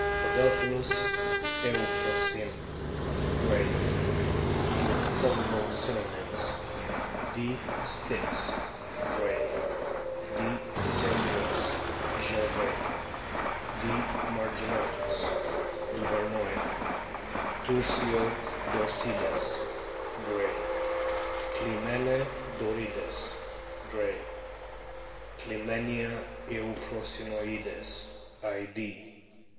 Prodelphinus euphrosyne, Gray \ (with probable synonyms : D. styx, Gray ; D. tethyos, Gervais ; D. marginatus, Duvernoy ; Tursio dorcides, Gray ; Clymene dorides, Gray ; Clymenia euphrosynoides, Id.)